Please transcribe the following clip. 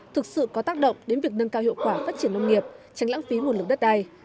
thực sự có tác động đến việc nâng cao hiệu quả phát triển nông nghiệp tránh lãng phí nguồn lực đất đai